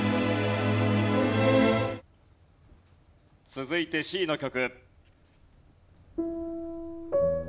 続いてＣの曲。